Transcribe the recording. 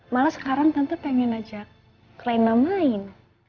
malah sekarang tante pengen ajak ke reina main